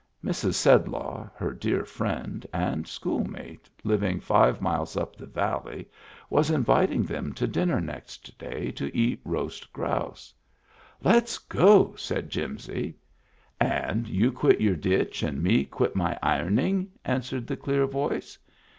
Mrs Sedlaw, her dear friend and schoolmate living five miles up the valley, was inviting them to dinner next day to eat roast grouse. " Let's go," said Jimsy. "And you quit your ditch and me quit my ironing?" answered the clear voice.